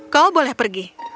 kau boleh pergi